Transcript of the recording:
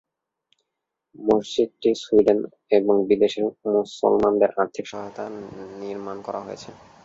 মসজিদটি সুইডেন এবং বিদেশের মুসলমানদের আর্থিক সহায়তায় নির্মাণ করা হয়েছে।